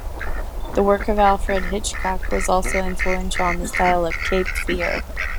The work of Alfred Hitchcock was also influential on the style of "Cape Fear".